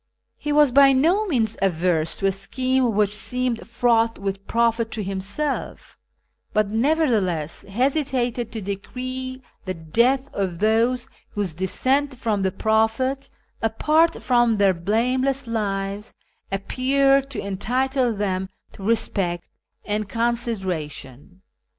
He was by no means averse to a scheme which seemed fraught with profit to himself, but nevertheless hesitated to decree the death of those whose descent from the Prophet, apart from their blameless lives, appeared to entitle them to respect and consideration.